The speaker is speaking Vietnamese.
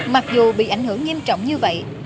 mặc dù bị ảnh hưởng nghiêm trọng như vậy